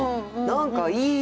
何かいいよ。